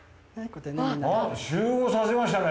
集合させましたね。